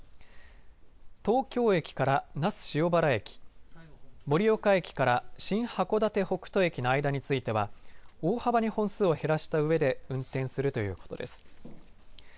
東京駅から那須塩原駅盛岡駅から新函館北斗駅の間については大幅に本数を減らしたうえで運転するということです。